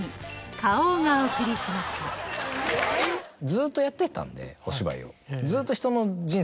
ずっとやってきたんでお芝居を。